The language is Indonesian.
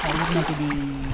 harus nanti di